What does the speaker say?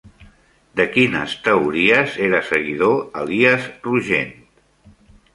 De quines teories era seguidor Elies Rogent?